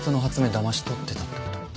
だまし取ってたってこと？